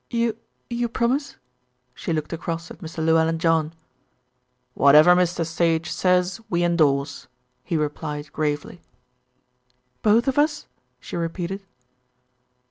"You you promise?" She looked across at Mr. Llewellyn John. "Whatever Mr. Sage says we endorse," he replied gravely. "Both of us?" she repeated.